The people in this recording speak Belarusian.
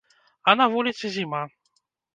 А на вуліцы зіма.